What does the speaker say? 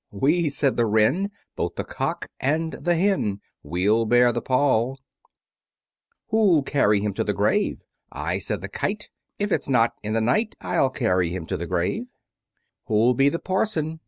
We, said the Wren, Both the Cock and the Hen, We'll bear the pall. Who'll carry him to the grave? I, said the Kite, If it's not in the night, I'll carry him to the grave. Who'll be the Parson?